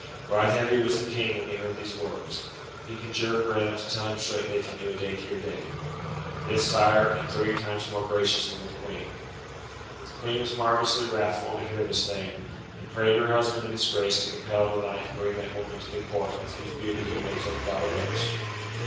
Right heavy was the King when he heard these words. He conjured Graelent to tell him straightly if he knew a daintier dame. "Yes, Sire, and thirty times more gracious than the Queen." The Queen was marvellously wrathful to hear this thing, and prayed her husband of his grace to compel the knight to bring that woman to the Court of whose beauty he made so proud a boast.